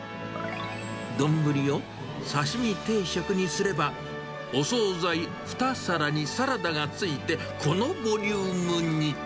丼を刺身定食にすれば、お総菜２皿にサラダが付いてこのボリュームに。